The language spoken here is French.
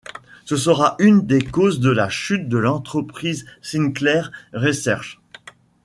Ce sera une des causes de la chute de l'entreprise Sinclair Research.